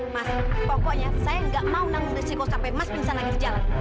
mas pokoknya saya gak mau nanggung risiko sampai mas binsa lagi terjalan